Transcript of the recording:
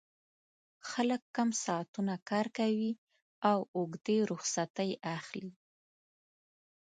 خلک کم ساعتونه کار کوي او اوږدې رخصتۍ اخلي